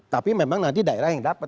tapi memang nanti daerah yang dapat